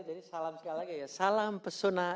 jadi salam sekali lagi ya salam pesona